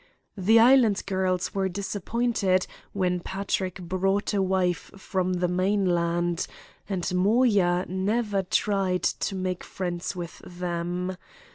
The Island girls were disappointed when Patrick brought a wife from the mainland, and Moya never tried to make friends with them.